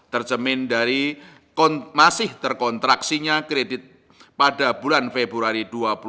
tercemin dari masih terkontraksinya kredit pada bulan februari dua ribu dua puluh